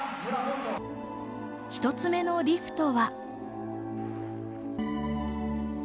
１つ目のリフトは。